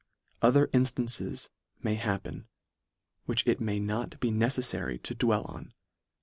Other instances may hap pen, which it may not be neceffary to dwell on.